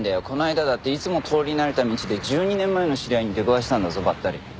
この間だっていつも通り慣れた道で１２年前の知り合いに出くわしたんだぞばったり。